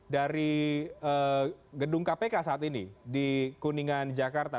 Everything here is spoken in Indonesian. dari gedung kpk saat ini di kuningan jakarta